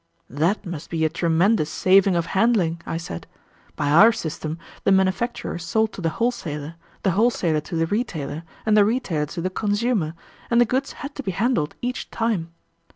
"That must be a tremendous saving of handling," I said. "By our system, the manufacturer sold to the wholesaler, the wholesaler to the retailer, and the retailer to the consumer, and the goods had to be handled each time.